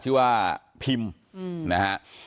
ชื่อว่าพิมนะฮะ